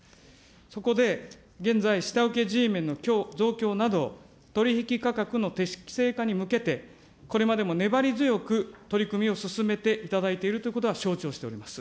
そこで、現在、下請けＧメンの増強など取り引き価格の適正化に向けて、これまでも粘り強く取り組みを進めていただいているということは承知をしております。